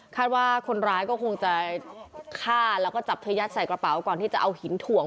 ว่าคนร้ายก็คงจะฆ่าแล้วก็จับเธอยัดใส่กระเป๋าก่อนที่จะเอาหินถ่วง